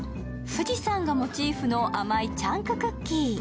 富士山がモチーフの甘いチャンククッキー。